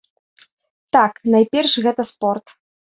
Так, найперш гэта спорт.